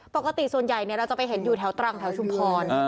ปกติส่วนใหญ่เราจะไปเห็นอยู่แถวตรังแถวชุมพร